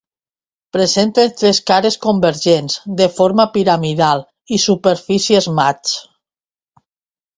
Presenten tres cares convergents, de forma piramidal i superfícies mats.